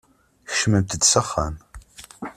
Kecmemt-d s axxam.